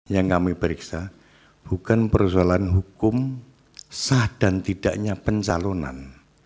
yang kami periksa bukan persoalan hukum sah dan tidaknya pencalonan